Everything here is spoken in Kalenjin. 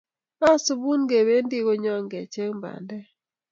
Asubun kebendi konyon kecheng bandek